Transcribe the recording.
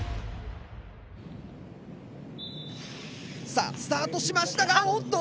さあスタートしましたがおっと？